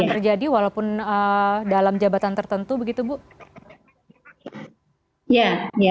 terjadi walaupun dalam jabatan tertentu begitu bu ya